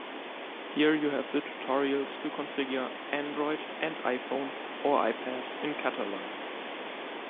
Here you have the tutorials to configure Android and iPhone or iPad in Catalan.